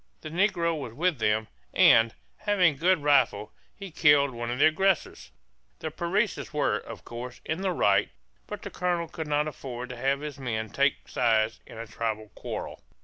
The negro was with them and, having a good rifle, he killed one of the aggressors. The Parecis were, of course, in the right, but the colonel could not afford to have his men take sides in a tribal quarrel.